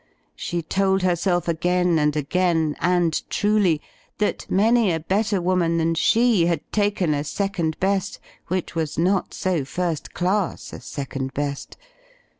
She told her self again and again, and truly, that many a better woman than she had taken a second best which was not so first class a second best.